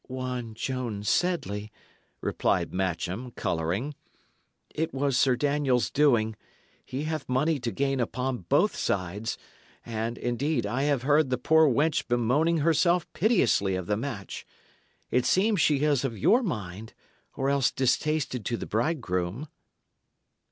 "One Joan Sedley," replied Matcham, colouring. "It was Sir Daniel's doing; he hath money to gain upon both sides; and, indeed, I have heard the poor wench bemoaning herself pitifully of the match. It seems she is of your mind, or else distasted to the bridegroom."